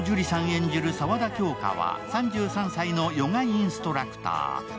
演じる沢田杏花は、３３歳のヨガインストラクター。